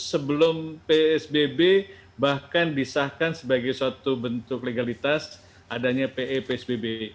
sebelum psbb bahkan disahkan sebagai suatu bentuk legalitas adanya pe psbb